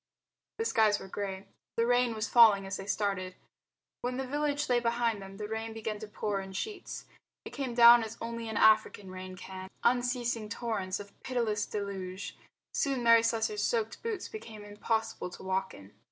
The skies were grey. The rain was falling as they started. When the village lay behind them the rain began to pour in sheets. It came down as only an African rain can, unceasing torrents of pitiless deluge. Soon Mary Slessor's soaked boots became impossible to walk in.